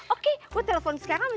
oke gue telepon sekarang mr fuad